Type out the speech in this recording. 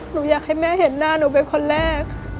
หนูอยากให้แม่เห็นหน้าหนูเป็นคนแรก